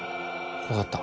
分かった。